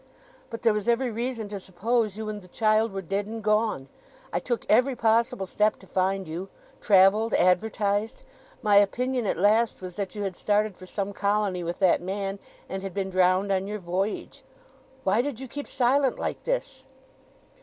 But there was every reason to suppose you and the child were dead and gone. I took every possible step to find you—travelled—advertised. My opinion at last was that you had started for some colony with that man, and had been drowned on your voyage. Why did you keep silent like this?"